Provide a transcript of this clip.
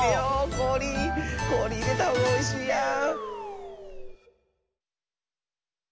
こおりこおりいれたほうおいしいやん！